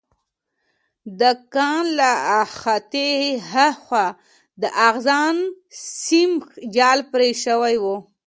د کان له احاطې هاخوا د اغزن سیم جال پرې شوی و